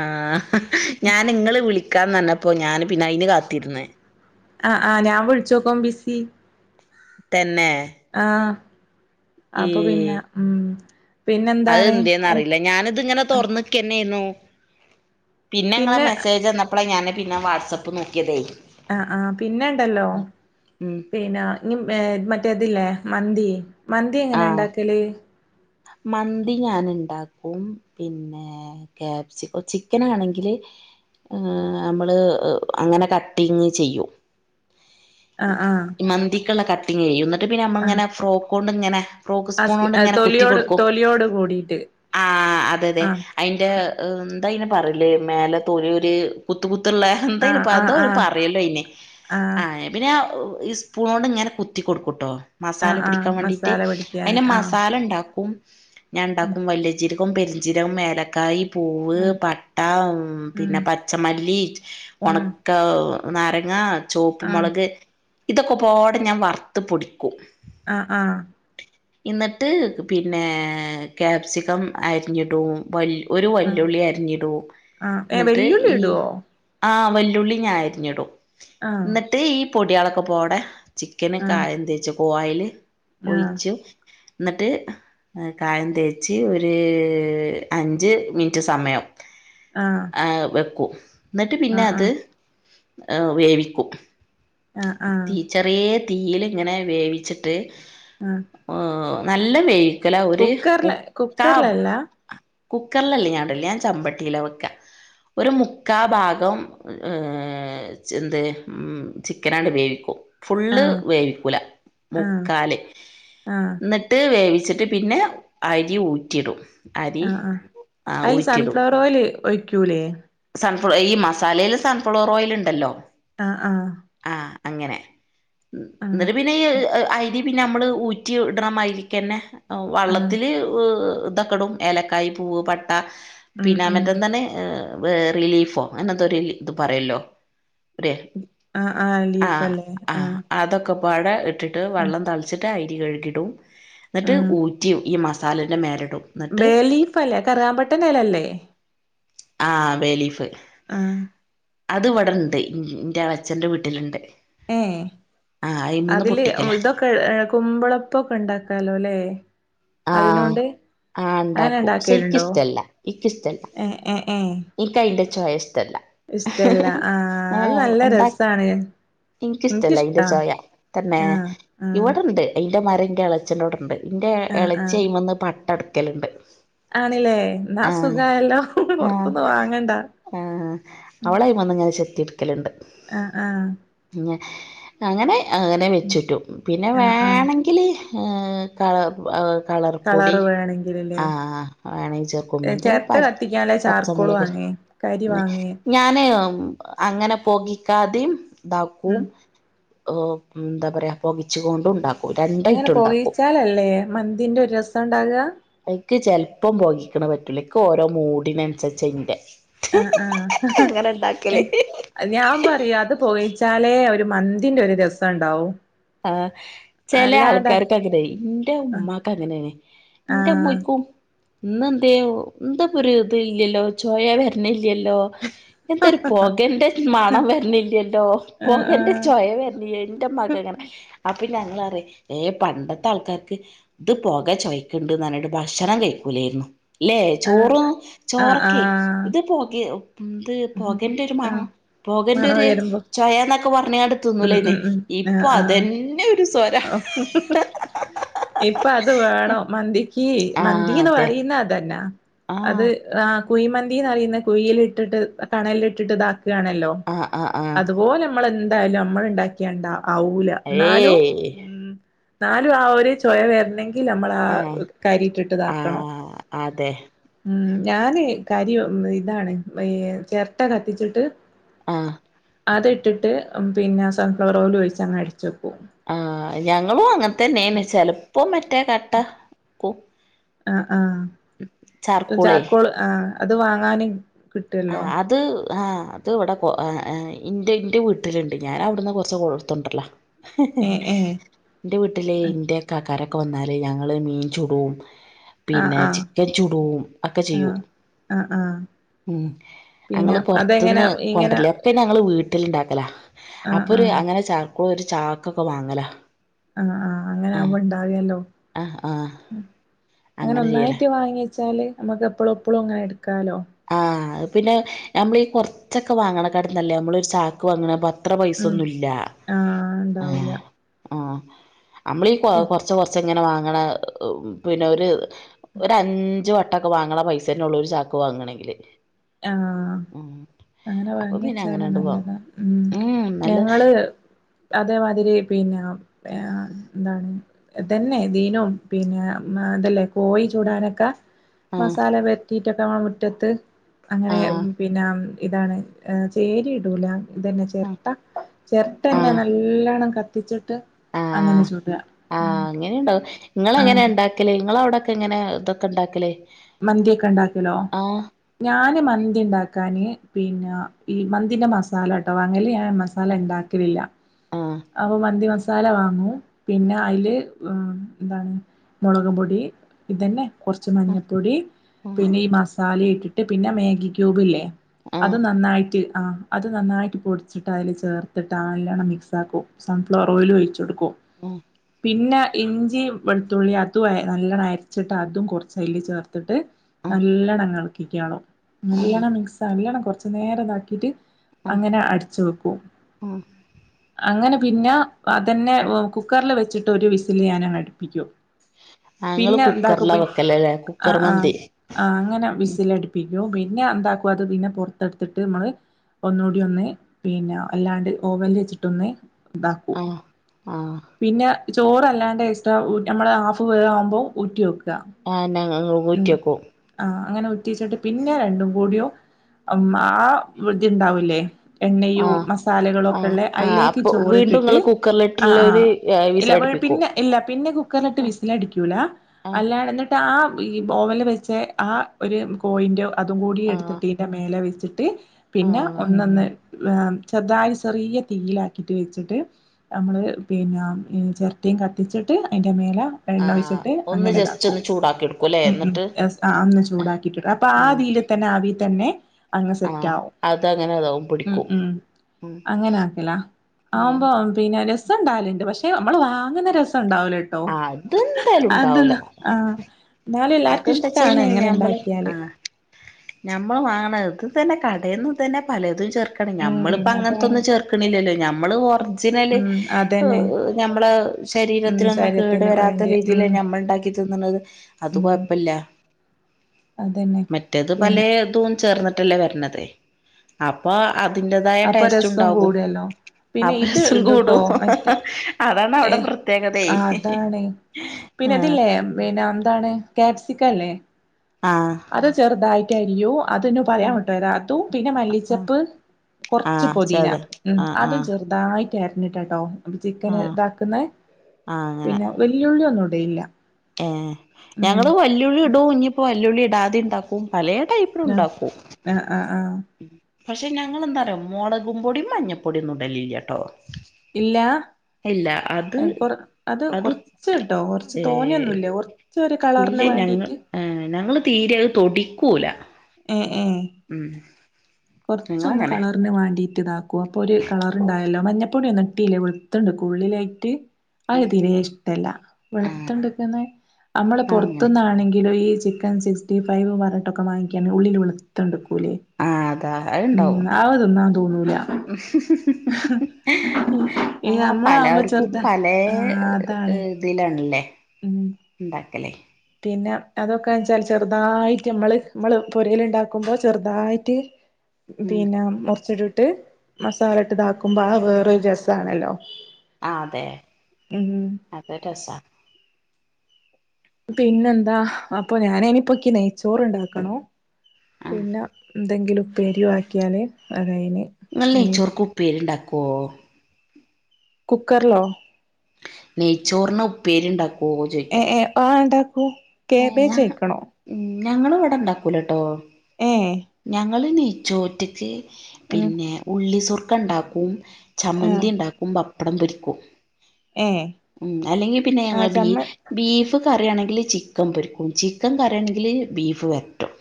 ആ ഞാൻ ഇങ്ങള് വിളിക്കാന്നർഞപ അപ്പൊ ഞാന് പിന്നെ അയിന് കാത്തിരുന്നേ ആ ആ ഞാൻ വിളിച്ചോക്കുമ്പം ബിസി തെന്നെ ആ അപ്പൊ പിന്നെ മ്മ് അത് ഏന്ത്യേന്നറീല്ല ഞാനിത്ങ്ങനെ തൊർന്നക്കന്നേന്നു പിന്നെ ഇങ്ങളെ മെസ്സേജ് വന്നപ്പളാ ഞാൻ പിന്നെ വാട്സആപ്പ് നോക്കിയതേ ആ ആ പിന്നെണ്ടല്ലോ ഉം പിന്നാ ഞ് ഏ മറ്റേതില്ലേ മന്തി മന്തി എങ്ങനെ ആഹ് ഇണ്ടാക്കല് മന്തി ഞാൻ ഇണ്ടാക്കും പിന്നെ കാപ്സികം ചിക്കനാണെങ്കില് ഏ അമ്മള് അങ്ങനെ കട്ടിങ്ങ് ചെയ്യും ആഹ് ആഹ് ഈ മന്തിക്ക്ള്ള കട്ടിങ് ചെയ്യും ന്നട്ട് പിന്നെ അമ്മള് ആഹ് ങ്ങനെ ഫ്രോക്കോണ്ട് ഇങ്ങനെ ഫ്റോക്ക് അസ്കി സ്പൂണോണ്ട് ഇങ്ങനെ കുത്തി തൊലിയോട് കൊടുക്കും തൊലിയോട് കൂടിട്ട് ആ അതെ അതെ ആഹ് അയിന്റെ എന്താ അയ്ന് പറല് മേലെ തോലി ഒര് കുത്ത് കുത് ത്ത്ള്ളെ എന്താ അയിന് ആഹ് പ്പ ആഹ് എന്തോ ആഹ് പറിയല്ലോ അയന് ആഹ് ആ പിന്നെ ഈ സ്പൂണോ ഇങ്ങനെ കുത്തി കൊടുക്കൂട്ടോ ആഹ് മസാല ആഹ് പിടിക്കാൻ വേണ്ടി മസാല പിടിക്കാന് അതിൻറെ ആഹ് മസാല ഉണ്ടാക്കും ഞാൻ ഉം ഉണ്ടാക്കും വലിയജീരകവും പെരിഞ്ചീരകവും വേലക്കായും പൂവ് പട്ട ഉം പിന്നെ പച്ചമല്ലി ഉം ഉണക്ക നാരങ്ങ ചുവപ്പ് ആഹ് മുുളക് ഇതൊക്കെ പോടെ ഞാൻ വറുത്ത് പൊടിക്കും ആ ആ എന്നിട്ട് പിന്നെ ക്യാപ്സിക്കം അരിഞ്ഞിടും വ ഒരു ആഹ് വെല്ലുവിളി അരിഞ്ഞിടുവും ആഹ് ഏഹ് എന്നിട്ട് വെല്ലുള്ളി ഈ ഇടുവോ ആ വെല്ലുളി ഞാൻ അരിഞ്ഞിടും ആഹ് എന്നിട്ട് ഈ പൊടികളൊക്ക പോടെ ചിക്കനക്ക ആഹ് കായം വച്ച കോവല് ആഹ് ഒഴിച്ചു എന്നിട്ട് കായം തേച്ച് ഒരു അഞ്ച് മിനിറ്റ് സമയം ആഹ് ആ വെക്കൂ എന്നിട്ട് പിന്നെ ആഹ് അത് ആഹ് വേവിക്കും ആഹ് ആഹ് തീ ചെറിയ തീയിലിങ്ങനെ വേവിച്ചിട്ട് ആ നല്ല വേക്കല ഒരു മുക്ക കുക്കറിലല്ല കുക്കറിലല്ല ഞ അടല്ല ഞൻ ചമ്പട്ടിയില വെക്ക ഒരു മുക്കാ ഭാഗം ഏർ എന്ത് ഉ ചിക്കനണ്ട് വേവിക്കും ഫുള്ള് ആഹ് വേവിക്കുല ആഹ് മുക്കാൽ ആഹ് എന്നിട്ട് വേവിച്ചിട്ട് പിന്നെ അരി ഊറ്റിടും അരി ആ ആ ആ അതില് ഊറ്റിടും സൺഫ്ലവർ ഓയിയില് ഒഴക്കൂല്ലേ സൺഫ് ഈ മസാലയിൽ സൺഫ്ളോർ ഓയിയില ഉണ്ടല്ലോ ആഹ് ആഹ് ആ അങ്ങനെ ആഹ് എന്നിട്ട് പിന്നെ ഐ പിന്നെ നമ്മള് ഊറ്റി ഇടണമായിതിരിക്കന്നെ ആഹ് വള്ളത്തിൽ ഇതൊക്കെടും ഏലക്കായ പൂവ് പട്ട ഉം പിന്നെ അ ഉം മറ്റ എന്താണ് ർ റിലീഫോ അങ്ങനതൊരു ഇത് പറയല്ലോ ഒരു ആ ആ ലീഫ് അല്ലേ ആഹ പ്പാട ഇട്ടിട്ട് വെള്ളം തളിച്ചിട്ട് അരി കഴുകിടും എന്നിട്ട് ആഹ് ഊറ്റി ഈ തലന്റെ മേലെ ബേ ലീഫ അല്ലേ കറാ പട്ടന്റെ എലല്ലേ ആ ബെ ലീഫ് ആ അത് ഇവിടെ ഇണ്ട് എന്റെ എളച്ഛന്റെ വീട്ടിലുണ്ട് ഏ ആഹ് അയിമന്ന് അതില് പൊട്ടിക്കല ഇതൊക്കെ ഏ കുമ്പളപ്പൊക്കെ ഇണ്ടാക്കാലോ ല്ലേ ആഹ് അതിനോണ്ട് ആഹ് അങ്ങനെ ഇണ്ടാക്കും പക്ഷെ ഇണ്ടാക്കിട്ടുണ്ടോ ഇക്കിഷ്ടല്ല ഇക്കിഷ്ടല്ല ഏ ഏ ഏ എനിക്ക് അയിന്റെ ചോയ ഇഷ്ടല്ല ഇഷ്ടല്ല ആ അത് ഏഹ് നല്ല എന്താ രസാണ് എനിക്കിഷ്ടല്ല അതിന്റെ എനിക്കിഷ്ടാ ചോയ തന്നെ ആഹ് ആഹ് ഇവിടെണ്ട് ന്റെ മരം എളച്ചന്റോടെ ണ്ട് ആഹ് ഇളച്ചി ആഹ് കഴിയുമ്പോൾന്ന് പട്ടടക്കലുണ്ട് ആണില്ലേ എന്നാ സുഖയല്ലോ പുറത്തൊന്ന് വാങ്ങണ്ടാ അവളയും വന്ന്ിങ്ങനെ ശെത്തി എടുക്കലുണ്ട് ആ ആ അങ്ങനെ അങ്ങനെ വെച്ചിട്ടും പിന്നെ ആഹ് ആഹ് വേണെങ്കിൽ എ ക കളർപ്പൊടി കളറ് വേണെങ്കിലല്ലേ ആ വേണെങ്കിൽ ചേർക്കുമ്പിന്റെ പ ചെരട്ട കത്തിക്കാൻല്ലേ ചാർക്കോള് പച്ചമുളക് വാങ്ങേ കരി വാങ്ങേ ഞാന് അങ്ങനെ പോകിക്കാതെയും ഇതാക്കും ഉം ഒ എന്താ പറയാ പൊകിച്ചുകൊണ്ട ഉണ്ടാക്കും അങ്ങനെ രണ്ടായിട്ടും ഉണ്ടാക്കും പോയിച്ചാലല്ലേ മന്തിന്റെ ഒരു രസം ഇണ്ടാവ എനിക്ക് ചെലപ്പം പോഗിക്കണ പറ്റൂല എക്ക് ഓരോ മൂഡിനനുസരിച്ച ഇന്റെ ആഹ് ആഹ് അങ്ങനെ എ ഉണ്ടാക്കല് ഞാം പറീം അത് പോയീച്ചാ ല്ലെ ഒര് മന്തിന്റെ ഒര് രസണ്ടാവും. ആ ചെലേ ആൾക്കാര്ക്കങ്ങനെ ആഹ് ഇന്റമ്മാക്കങ്ങനേണ് ആഹ് ഇന്റമ്മോയ്ക്കും ഇന്നെന്തേ എന്താപ്പര് ത് ല്ലല്ലോ ചൊയ വെര്ണി ല്ലല്ലോ എന്തര് പൊകന്റെര് മണം വര്ണില്ലല്ലോ ആഹ് ആഹ് പൊകന്റെ ചൊയ വെര് ന്റെമ്മാക്കങ്ങനെ അപ്പഞങ്ങലറീം ഏ പണ്ടത്തെ ആൾക്കാര്ക്ക് ത് പൊക ചൊയക്ക്ണ് ണ്ട്ന്ന് പർഞ്ഞിട്ട് ഭക്ഷണം കയി ക്കൂലേര്ന്നു ലേ അല്ലെ ചോറും ചോറൊക്കെ ആഹ് ത് പൊകേ ത് ആഹ് പൊകന്റൊര് ആഹ് മണം മണം പൊകന്റെര് വരുമ്പോ ചൊയന്നൊക്കെ പർഞ്ങ്ങാണ്ട് തുന്നൂലയ്ന്ന് ഇപ് ആ ഇപ്പ അത് വേണം മന്തി കീ ആഹ് മന്തീന്ന് അതെ പറയ്ന്ന അതെന്നാ അത് ആഹ് ആഹ് കുയ്മന്തിന്ന് പറയുന്ന കുയീലിട്ട്ട്ട് കണലിട്ട്ട്ട് താക്കാണല്ലോ ആഹ് ആഹ് ആഹ് അതുപോലെ നമ്മളെന്തായാലും നമ്മള്ണ്ടാക്ക്യാ ണ്ടാ ആവൂല ന്നാലും ഏയ് മ് ന്നാലും ആ ഒര് ചൊയ വെര്ണങ്കി ൽ ലമ്മളാ ആഹ് ആ കരിട്ട്ട്ട്താക്കണം ആഹ് അതെ മ് ഞാന് കരി ഇതാണ് ചെര്ട്ട കത്തിച്ച്ട്ട് ആ അത്ട്ട്ട്ട് മ് പിന്നെ സൺഫ്ലവറോയിൽ ഒഴിച്ച് അങ്ങ് അടച്ചെക്കും. ആ ഞങ്ങളും അങ്ങൻത്തന്നേണ് ചെലപ്പോ മറ്റേ കട്ട ക്കും ആ ചാർക്കോളേ ജാർക്കോള് ആ അത് വാങ്ങാന് ആ കിട്ടുവല്ലോ അത് ആ അത് ഇവടെ കൊ എ എ ഇന്റെ ഇന്റെ വീട്ടില്ണ്ട് ഞാൻ അവ്ട്ന്ന് കൊറച്ച് ഇട്ത്ത്കൊണ്ട്രലാ. ഏ ഏ ന്റെ വീട്ടില് ഇന്റെഇക്കാക്കാരൊക്കെ വന്നാല് ഞങ്ങള് മീൻ ചുടും ആ പിന്നെ ആ ചിക്കൻ ചുടൂമ് ഒക്കെ ആ ചെയ്യും ആ ആ മ് പിന്നെ ഞങ്ങള് അതെങ്ങനെ പൊർത്ത്ന്ന് ഇങ്ങനെ കൊണ്ട്രാല ഒക്കെ ഞങ്ങള് വീട്ട്ല്ണ്ടാക്കലാ. ആ ആ അപ്പൊര് ആ അങ്ങനെ ചാർക്കോള് ഒര്ചാക്കൊക്കെ വാങ്ങലാ. ആ ആ അങ്ങനെ ആഹ് ആക്മ്പോ ണ്ടാഗേലോ ആഹ് ആഹ് അങ്ങനെ ഒന്നായിറ്റ് വാങ്യേച്ചാല് ഞമ്മക്ക് എപ്പളും എപ്പളും അങ്ങനെ എട്ക്കാലോ. ആഹ് പിന്നെ ഞമ്മളീ കൊർച്ചൊക്കെ വാങ്ങണക്കാട്ടീം നല്ലത് ഞമ്മളൊര് ചാക്ക് വാങ്ങ്ണത് ബർ അത്ര ഉം പൈസൊന്നുല്ല ആ ഏ ഉണ്ടാവൂല ആഹ് നമ്മളീ ഈ കൊ കൊർച്ച് കൊർച്ച് ഇങ്ങനെ വാങ്ങ്ണേ പിന്നെ ഒര് ഒരഞ്ച് വെട്ടൊക്കെ വാങ്ങ്ണ പൈസേനെള്ളു ഒര് ചാക്ക് വാങ്ങാണെങ്കി ആഹ് അങ്ങനെ അപ്പൊ പിന്നെ വാങ്യേച്ചാല് അങ്ങനെണ്ട് വാങ്ങും നല്ലതാ മ് ഉം നല്ല ഞങ്ങള് അതേമാതിരി പിന്നെ ഏ ന്താണ് ദന്നെ ദീനും പിന്നെ ദല്ലേ കോഴി ചൂടാനൊക്കെ ആഹ് മസാല പൊര്ട്ടീറ്റൊക്കെ ഞമ്മളെ മുറ്റത്ത് അങ്ങനെ ആഹ് പിന്നെ ഇതാണ് ചേരി ഇടൂല ഇതന്നെ ചെര്ട്ട ആഹ് ചെർട്ടന്നെ ആഹ് നല്ലോണം കത്തി ആഹ് ഉം ആഹ് അങ്ങനീണ്ടാവും ങ്ങളെങ്ങനെ ആഹ് ണ്ടാക്കല് ഇങ്ങളവടെക് ങ്ങനെ തൊക്കെ ണ്ടാക്കല് മന്തിക്കെ ണ്ടാക്കലോ ഞാന് മന്തി ണ്ടാക്കാന് പിന്നെ ഈ മന്തിന്റെ മസാലട്ടോ വാങ്ങല് ഞാ ന് മസാലണ്ടാക്കലില്ല. ആഹ് അപ മന്തി മ സാല വാങ്ങും പിന്നെ അയ്ല് ന്താണ് മുളക് പൊടി ഇതന്നെ കൊർച്ച് ആഹ് മഞ്ഞപ്പൊടി പിന്നെ ഈ മസാലീട്ട്ട്ട് പിന്നെ മാഗി ക്യൂബില്ലേ അത് ആഹ് നന്നായ്റ്റ് ആഹ് അത് നന്നായ്റ്റ് പൊടിച്ച്ട്ട് അയ്ല് ചേർത്തിട്ട് നല്ലോണം മിക്സ്സാക്കും സൺഫ്ലവറോയിലും ഒയ്ച്ചൊ ട്ക്കും ആഹ് പിന്നെ ഇൻജീമ്, വെളുത്തുള്ളി അതും നല്ലണ്ണം അരച്ച്ട്ട് അതും കൊർച്ച് അയ്ല് ചേർ ് ആഹ് നല്ലണ്ണം കളിക്കുള്ള ആഹ് ആഹ് നല്ലണം മിക്സ് ന കുറച്ച നേതാക്കിട്ട് അങ്ങനെ അടിച്ച വെക്കും ആഹ് അങ്ങെ പിന്നെ അതന്നെ കുക്കറിൽ വെച്ചിട്ട് ഒരു വിസില് ഞാനാ അടുപ്പിക്കൂ ആഹ് ഇങ്ങള് പിന്നെ കുക്കറിലാ എന്താക്കും വെക്കലല്ലേ ആ കുക്കർ ആ മന്തി ആ അങ്ങനെ ഉം വിസിലടുപ്പിക്കും പിന്നെ എന്താക്കും അത് പിന്നെ പുറത്തെടുത്തിട്ട് നമ്മള് ഒന്നുകൂടി ഒന്ന് പിന്നെ അല്ലാണ്ട് ഓവനൽ വെച്ചിട്ട് ഒന്ന് ഇതാക്കൂ ആഹ് ആഹ് പിന്നെ ചോറല്ലാണ്ട് എക്സ്ട്രാ നമ്മുടെ ഹാഫ് വേ ആവുമ്പോൾ ഊറ്റി വെക്കും ആഹ ഞ ഊറ്റിയക്കും ആഹ് അങ്ങനെ ഉറ്റേച്ചിട്ട് പിന്നെ രണ്ടും കൂടിയും ആ ഇതി ഉണ്ടാവൂല്ലേ എണ്ണയോ ആഹ് മസാലകളോ ഒക്കെ ആഹ് ഉള്ള ആഹ് അതിലേക്ക് അപ്പൊ വീണ്ടും ചോറിട്ടിട്ട് ഇങ്ങള് ആ ആ കുക്കറിലിട്ടുള്ളൊരു ഇവ വിസിലടിപ്പിക്കും പിന്നെ ഇല്ല പിന്നെ കുക്കറിലിട്ട് വിസിലടിക്കൂല ആഹ് അല്ലടിട്ട് ആ ഈ ബഓവനിൽ വെച്ച ആ ഒരു കോയിൻ അതും കൂടി ആഹ് എടുത്തിട്ട് ഇൻ്റെ മേലെ വെച്ചിട്ട് പിന്നെ ആഹ് ഒന്നൊന്ന് ചെർതായി ചെറിയ തീയിലാക്കിട്ട് വെച്ചിട്ട് നമ്മള് പിന്നെ ചർ കത്തിച്ചിട്ട് അതിന്റെ മേല എണ്ണ ആഹ് ഒഴിച്ചിട്ട് ഒന്ന് അങ്ങനെ ജസ്റ്റ് ഇതാക്കും ഒന്ന് ചൂടാക്കി എടുക്കുംല്ലേ ഉം ഉം എന്നിട്ട് അന്ന് ചൂടാക്കിട്ടുണ്ട് അപ്പൊ ഉം ആതിൽ തന്നെ ആവി തന്നെ അങ് സെറ്റ ആഹ് ആവും അതങ്ങനെ ഇതാവും ഉ പിടിക്കും ഉ ഉം അങ്ങനെ ആക്കല ആഹ് ആവുമ്പോ പിന്നെ രസം ഉണ്ടാലുണ്ട് പക്ഷെ നമ്മള് വാങ്ങുന്ന രസം ഉണ്ടാവല ആ അതെന്തായാലും ഉണ്ടാവൂല കേട്ടോന്താ ആ എന്നാലും എല്ലാവർക്കും ഇഷ്ടമാണ് എങ്ങനെ ഉണ്ടാക്കിയാല് ഞമ്മൾ വാങ്ങ ഇത് തന്നെ കടെന്ന് തന്നെ പലതും ചെ ഉം നഞമ്മളിപ്പ അതാണ് അങ്ങനത്തൊന്നും ചേർക്കണില്ലല്ലോ നമ്മള് ല് ഉം അതന്നെ നമ്മള ഉം ശരീരത്തിനൊന്നും കേട് ശരീരത്തിന് വരാത്ത വേണ്ടി രീതിൽ ഉം ഞമ്മൾ ഉണ്ടാക്കി തിന്നണത് അത് ഉം കൊഴപ്പില്ല അതന്നെ മറ്റേത് പല പിന്നെ ഇത ചേർന്നിട്ടല്ലേ വരണതേ അപ്പൊ അതിന്റെതായ അപ്പൊ ടേസ്റ്റ് രസം ഉണ്ടാകും കൂടുവല്ലോ പിന്നെ ഇത് അഭ്യസം ഇടുട്ടോ കൂടും മറ്റേ അതാണ് അവിടെ ഏഹ് പ്രത്യേകതയ ആഹ് പിന്നെ അതില്ലേ പിന്നെ എന്താണ് കാപ്സിക്കല്ലേ ആഹ് അത് ചെറുതായിട്ടായിയോ അതു പറയാൻ പട്ടോരാ അത്തു പിന്നെ മല്ലി ആഹ് ചെപ്പ് കൊറച്ച് ആഹ് പൊതീന ചത ഉം ആഹ് അതും ആഹ് ചെറ്തായി ക്കെ അരിഞ്ഞിട്ടാട്ടോ അപ്പൊ ചിക്കന് ആഹ് ഇതാക്കുന്ന് ആഹ് അങ്ങനെ പിന്നെ വെല്ല്യുളളി ഒന്നും ഇടലില്ല ഏഹ് ഞങ്ങള് വല്ല്യുളളി ഇടും ഇഞ് ഇപ്പോ വല്ല്യുളളി ഇടാതിം ഇണ്ടാക്കും. പലേ ടൈപ്പിലും ആഹ് ഉണ്ടാക്കും. ആഹ് ആഹ് ആഹ് പക്ഷെ ഞങ്ങെളെന്താറ്യോ മൊളകുംപൊടിം മഞ്ഞപ്പൊടിയൊന്നും ഇടല്ല്ല്യട്ടോ. ഇല്ലാ അത് ഏഹ് കൊർ അത് കൊറച്ച് ട്ടോ കൊറച്ച് തോനെയൊന്നുല്ല കൊർ ഇല്ല്യ ഞങ്ങ ഏഹ് ഞങ്ങള് തീരെ അത് തൊടീക്കൂല. ഏഹ് ഉം കൊറച്ചൊന്ന് ഞങ്ങളങ്ങനെ കളറ്ന് വാണ്ടി ട്ട് ഇതാക്കും അപ്പൊ ഒരു കളറ്ണ്ടായല്ലോ മഞ്ഞപ്പൊടിയൊന്നും ഇട്ടീലേ വെളുത്തണ്ട്ക്കും ഉള്ളിലായിട്ട് അത് ആഹ് തിരെ ഇഷ്ടല്ല ആഹ് വെളത്തണ്ട്ക്കുന്നത് നമ്മള് അങ്ങനെ പൊറത്ത്ന്നാണെങ്കിലും ഈ ചിക്കൻ സിക്സ്റ്റി ഫൈവ് വരട്ടൊക്കെ വാങ്ങിക്കാണേ ഉള്ളില് വെള്ത്തോണ്ട്ക്കൂലേ ആഹ് അതാ ഉം അത്ണ്ടാവും അവ് തിന്നാൻ തോന്നൂല. ഈ ആഹ് നമ്മളാവുമ്പോ പലർക്കും ചെറുതാ പലേ ആഹ് അതാണ് ഇതിലാണല്ലേ ഉം ഇണ്ടാക്കലേ പിന്നെ അതൊക്കെ ന്ന്ച്ചാല് ചെറുതായിട്ട് അമ്മള് മ്മള് പൊരെല് ഇണ്ടാക്കുമ്പോ ചെറുതായിട്ട് ഉം പിന്നെ മുർച്ച്ട്ട്ട്ട് മസാല ഇട്ട് ഇതാക്കുമ്പോ ആ വേറൊരു രസാണല്ലോ. ആതെ ഉം അതൊര് രസാ. പിന്നെന്താ അപ്പൊ ഞാനയ്ന് ഇപ്പൊക്കി നെയ്ച്ചോറ് ഉണ്ടാക്കണോ ആ പിന്നെ എന്തെങ്കിലും ഉപ്പേരിയും ആക്കിയാല് അതായിന് ഇങ്ങള് നെയ്‌ച്ചോറ്ക്ക് ഉപ്പേരിണ്ടാക്കോ കുക്കർലോ നെയ്ച്ചോർന് ഉപ്പേരിണ്ടാ [unintelligible] ആഹ് ഉണ്ടാക്കും. ഏ കേബേജയിക്കണൊ. ഞങ്ങള് വടെ ഉണ്ടാക്കൂല ട്ടോ. ഏഹ് ഞങ്ങൾ നെയ്ച്ചോറ്റ്ക്ക് പിന്നെ ഉള്ളി സുർക്ക ഉണ്ടാക്കും. ആ ചമ്മന്തീം ഉണ്ടാക്കും പപ്പടം പൊരിക്കും. ഏ ഉം അല്ലെങ്കിൽ പിന്നെ ആ ഞങ്ങള് ബീ ചമ്മ ബീഫ് കറി ആണെങ്കിൽ ചി ചിക്കൻ പൊരിക്കും. ചിക്കൻ കറിയാണെങ്കിൽ ബീഫ് വരട്ടും.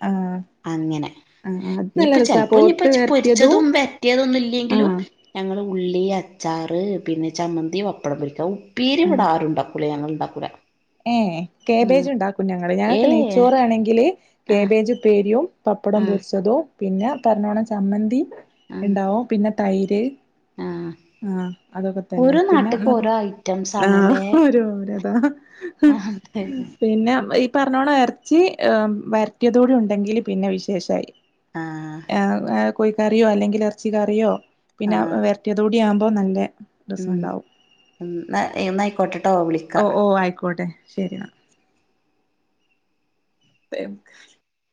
ആഹ് അങ്ങനെ നല്ല ഇഞ്പ്പ രസാ ചെൽപ്പോ പോത്ത് ഇഞ്ഞിപ്പച്ച് വരട്ടിയതും പൊരിച്ചതും വരറ്റിയതൊന്നും ആ ഇല്ലെങ്കിലും ഞങ്ങള് ഉള്ളി, അച്ചാറ്, പിന്നെ ചമ്മന്തി, പപ്പടം പൊരിക്ക. ഉപ്പേരി ഇവിടെ ആരുണ്ടാ ക്കൂല. ഞങ്ങൾ ഇണ്ടാക്കൂല. ഏഹ് കേബേജ് ഉണ്ടാക്കും ഞങ്ങള്. ഞങ്ങക്ക് ഏഹ് നെയ്ച്ചോറ് ആണെങ്കില് ആഹ് കേബേജ് ഇപ്പേരിയും പപ്പടം ആഹ് പൊരിച്ചതും. പിന്നെ പറഞ്ഞോണം ചമ്മന്തീം ആഹ് ഇണ്ടാവും. പിന്നെ തൈര്. ആഹ് ആഹ് അതൊക്കെ തന്നെ. ഓരോ പിന്നെ നാട്ട്ക്ക് ഓരോ [unintelligible] ഐറ്റംസ് ആഹ് ആണല്ലേ ഓരോരോ ഇതാ [unintelligible] പറഞ്ഞോണം എർച്ചി വരറ്റിയതൂടി ഉണ്ടെങ്കില് പിന്നെ വിശേഷായി. ആഹ് ഏഹ് ആഹ് കോഴിക്കറിയോ അല്ലെങ്കിൽ എർച്ചി കറിയോ പിന്നെ ആഹ് വരട്ടിയതു കൂടി ആകുമ്പോ നല്ലെ ഉം ഉംന്നാ എ എന്നാ ആയിക്കോട്ടെ ട്ടോ വിളിക്കാ. ട്ടെ ശരി എന്നാ. [unintelligible]